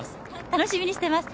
楽しみにしています。